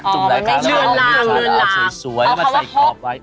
จุ่มหลายครั้งเอาสวยแล้วมาใส่กรอบไว้